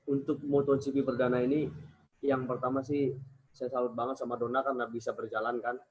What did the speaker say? untuk motogp perdana ini yang pertama sih saya salut banget sama dona karena bisa berjalan kan